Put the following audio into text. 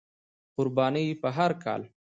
قرباني په هر کال،